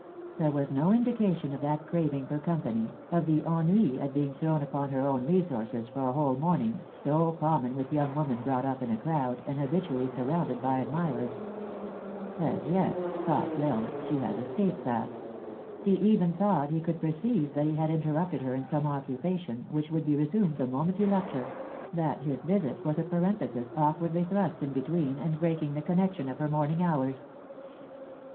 There was no indication of that craving for company, of the ennui at being thrown upon her own resources for a whole morning, so common with young women brought up in a crowd, and habitually surrounded by admirers. " As yet," thought L Isle, " she has escap ed that." He even thought he could perceive that he had interrupted her in some occupation, which would be resumed the moment he left her ; that his visit was a parenthesis awkwardly thrust in between, and breaking the connection of her morning hours.